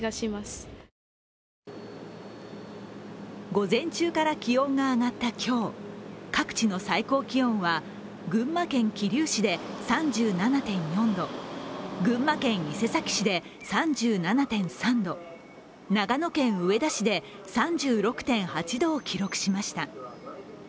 午前中から気温が上がった今日、各地の最高気温は群馬県桐生市で３７．４度、群馬県伊勢崎市で３７．３度、長野県上田市で３６．８度を記録しました。